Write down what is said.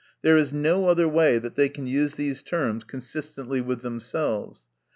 There is no other way that they can use these terms consistently with themselves.